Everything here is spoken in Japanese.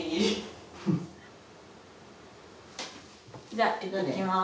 じゃあいってきます。